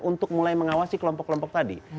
untuk mulai mengawasi kelompok kelompok tadi